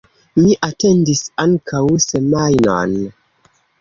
Mi atendis ankaŭ semajnon.